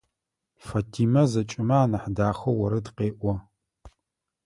Фатима зэкӏэмэ анахь дахэу орэд къеӏо.